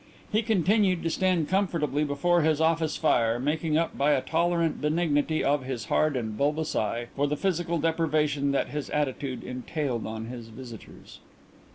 He continued to stand comfortably before his office fire, making up by a tolerant benignity of his hard and bulbous eye for the physical deprivation that his attitude entailed on his visitors.